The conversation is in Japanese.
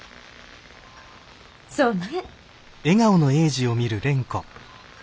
そうね。